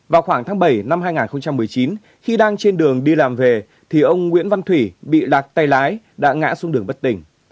vào khoảng tháng bảy năm hai nghìn một mươi chín khi đang trên đường đi làm về thì ông nguyễn văn thủy bị lạc tay lái đã ngã xuống đường bất tỉnh